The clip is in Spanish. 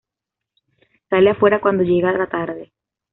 Sale afuera cuando llega la tarde.